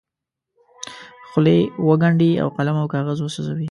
خولې وګنډي او قلم او کاغذ وسوځوي.